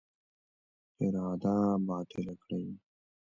اراده باطله کړي.